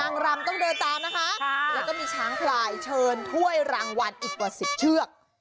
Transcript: รำต้องเดินตามนะคะแล้วก็มีช้างพลายเชิญถ้วยรางวัลอีกกว่า๑๐เชือก